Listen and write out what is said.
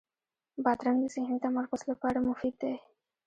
بادرنګ د ذهني تمرکز لپاره مفید دی.